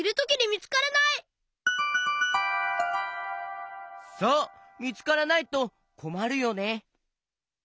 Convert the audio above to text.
みつからないとこまるよね。